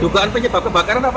dugaan penyebab kebakaran apa